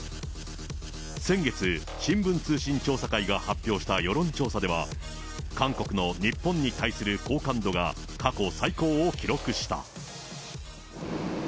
先月、新聞通信調査会が発表した世論調査では、韓国の日本に対する好感度が過去最高を記録した。